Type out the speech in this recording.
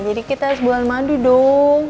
jadi kita harus bulan mandi dong